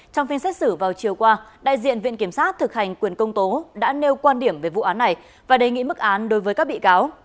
trong phiên xét xử vào chiều qua đại diện viện kiểm sát thực hành quyền công tố đã nêu quan điểm về vụ án này và đề nghị mức án đối với các bị cáo